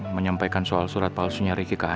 menyampaikan soal surat palsu nyari kiki ke andin